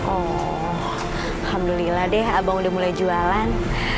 oh alhamdulillah deh abang udah mulai jualan